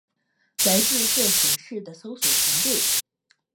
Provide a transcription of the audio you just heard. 来自各县市的搜救团队